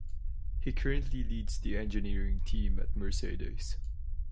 He currently leads the engineering team at Mercedes.